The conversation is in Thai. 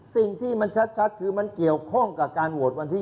สิ่งที่มันชัดคือมันเกี่ยวข้องกับการโหวตวันที่๒